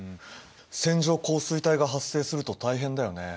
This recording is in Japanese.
線状降水帯が発生すると大変だよね。